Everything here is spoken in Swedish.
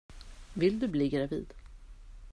Vill du bli gravid?